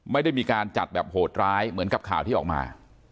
ไม่ได้มีการจัดแบบโหดร้ายเหมือนกับข่าวที่ออกมา